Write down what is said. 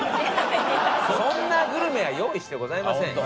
そんなグルメは用意してございません。